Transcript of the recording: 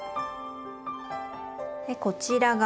こちらが。